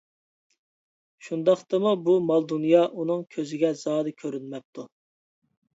شۇنداقتىمۇ بۇ مال-دۇنيا ئۇنىڭ كۆزىگە زادى كۆرۈنمەپتۇ.